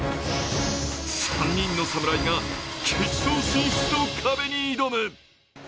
３人の侍が決勝進出の壁に挑む。